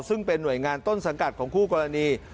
ซึ่งเป็นหน่วยงานต้นสังกัดของคู่กรณี